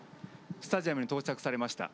スタジアムに到着されました。